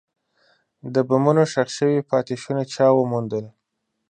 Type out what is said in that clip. د بمونو ښخ شوي پاتې شوني چا وموندل.